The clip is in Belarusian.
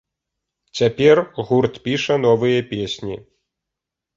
Цяпер гурт піша новыя песні.